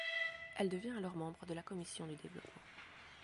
Elle devient alors membre de la Commission du développement.